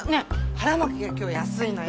腹巻きが今日安いのよ。